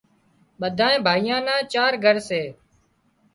ٻڌائي ڀائيان نا چار گھر سي